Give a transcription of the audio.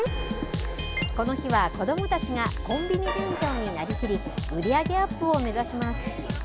この日は、子どもたちがコンビニ店長になりきり、売り上げアップを目指します。